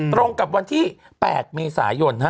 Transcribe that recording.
ตรงกับวันที่๘เมษายน